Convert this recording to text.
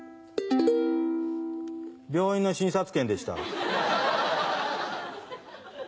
病院の診察券でした。